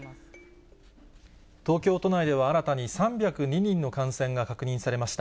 東京都内では新たに３０２人の感染が確認されました。